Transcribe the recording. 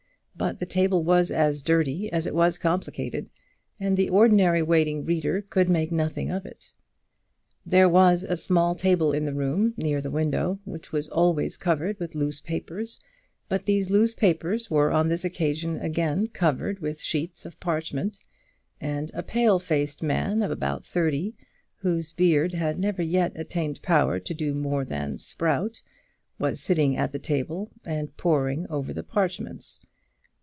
But the table was as dirty as it was complicated, and the ordinary waiting reader could make nothing of it. There was a small table in the room, near the window, which was always covered with loose papers; but these loose papers were on this occasion again covered with sheets of parchment, and a pale faced man, of about thirty, whose beard had never yet attained power to do more than sprout, was sitting at the table, and poring over the parchments.